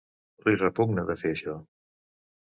Li repugna de fer això.